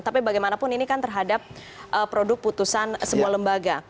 tapi bagaimanapun ini kan terhadap produk putusan sebuah lembaga